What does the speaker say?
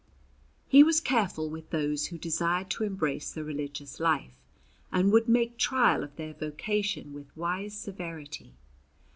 He was careful with those who desired to embrace the religious life, and would make trial of their vocation with wise severity.